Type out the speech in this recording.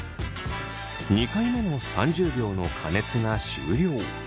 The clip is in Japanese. ２回目の３０秒の加熱が終了。